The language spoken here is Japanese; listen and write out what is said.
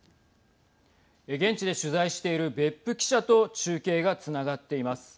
現地で取材している別府記者と中継がつながっています。